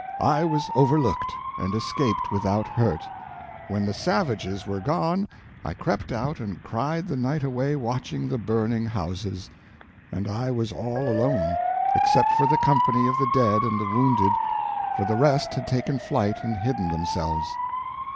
I was overlooked, and escaped without hurt. When the savages were gone I crept out and cried the night away watching the burning houses; and I was all alone, except for the company of the dead and the wounded, for the rest had taken flight and hidden themselves.